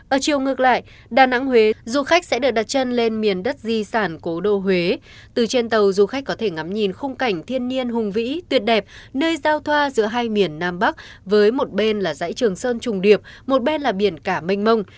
ở chiều ngược lại đà nẵng huế du khách sẽ được đặt chân lên miền đất di sản cố đô huế từ trên tàu du khách có thể ngắm nhìn khung cảnh thiên nhiên hùng vĩ tuyệt đẹp nơi giao thoa giữa hai miền nam bắc với một bên là dãy trường sơn trùng điệp một bên là biển cả mênh mông